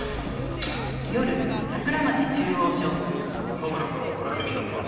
羽村から送られてきたのか？